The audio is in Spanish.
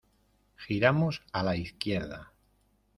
giramos a la izquierda.